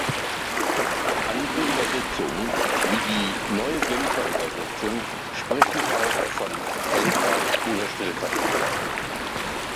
Andere Übersetzungen wie die Neue Genfer Übersetzung sprechen auch von „Helfer“ oder „Stellvertreter“.